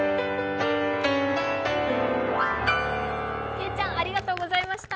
けいちゃんありがとうございました。